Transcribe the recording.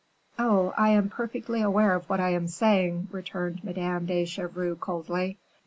"Oh, I am perfectly aware of what I am saying," returned Madame de Chevreuse, coldly.